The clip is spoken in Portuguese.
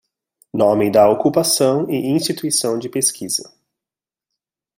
Nome da ocupação e instituição de pesquisa